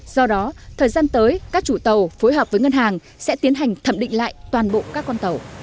do đó thời gian tới các chủ tàu phối hợp với ngân hàng sẽ tiến hành thẩm định lại toàn bộ các con tàu